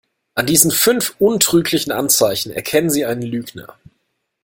An diesen fünf untrüglichen Anzeichen erkennen Sie einen Lügner.